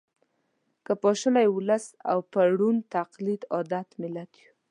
که پاشلی ولس او په ړوند تقلید عادت ملت یو